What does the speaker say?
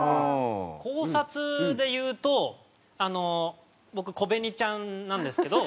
考察で言うと僕コベニちゃんなんですけど。